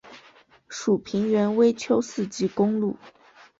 属平原微丘四级公路。